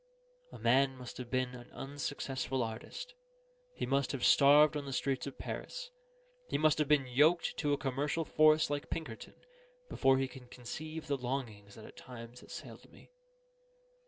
A man must have been an unsuccessful artist; he must have starved on the streets of Paris; he must have been yoked to a commercial force like Pinkerton, before he can conceive the longings that at times assailed me.